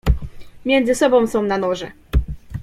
"Między sobą są na noże."